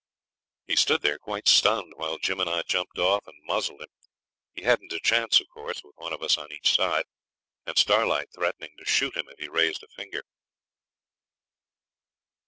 He stood there quite stunned, while Jim and I jumped off and muzzled him. He hadn't a chance, of course, with one of us on each side, and Starlight threatening to shoot him if he raised a finger.